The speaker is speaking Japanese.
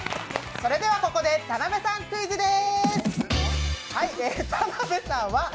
それではここで田辺さんクイズです。